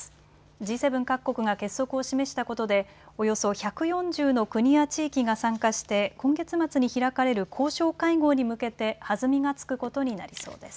Ｇ７各国が結束を示したことでおよそ１４０の国や地域が参加して今月末に開かれる交渉会合に向けて弾みが付くことになりそうです。